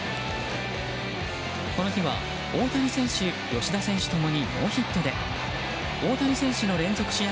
この日は大谷選手吉田選手ともにノーヒットで大谷選手の連続試合